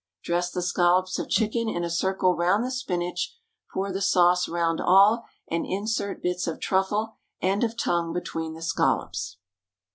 Dress the scallops of chicken in a circle round the spinach, pour the sauce round all, and insert bits of truffle and of tongue between the scallops.